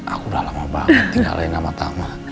aku udah lama banget tinggalin nama tama